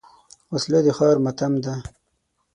وسله د ښار ماتم ده